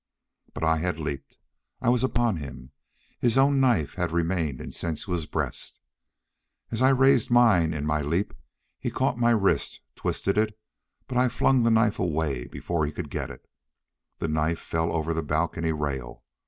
But I had leaped. I was upon him. His own knife had remained in Sensua's breast. As I raised mine in my leap, he caught at my wrist; twisted it, but I flung the knife away before he could get it. The knife fell over the balcony rail.